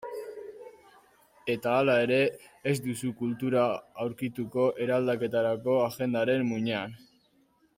Eta hala ere, ez duzu kultura aurkituko eraldaketarako agendaren muinean.